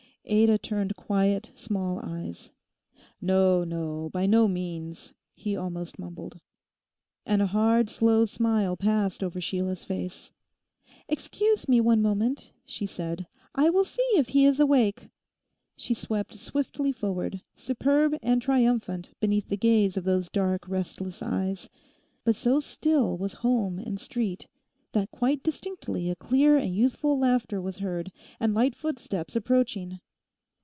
Ada turned quiet small eyes. 'No, no, by no means,' he almost mumbled. And a hard, slow smile passed over Sheila's face. 'Excuse me one moment,' she said; 'I will see if he is awake.' She swept swiftly forward, superb and triumphant, beneath the gaze of those dark, restless eyes. But so still was home and street that quite distinctly a clear and youthful laughter was heard, and light footsteps approaching.